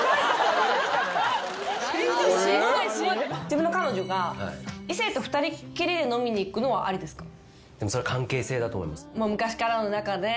自分の彼女が異性と二人っきりで飲みに行くのはありですか？